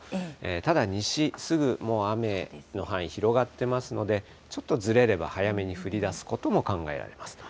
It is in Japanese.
ただ、西、すぐもう雨の範囲、広がってますので、ちょっとずれれば早めに降りだすことも考えられます。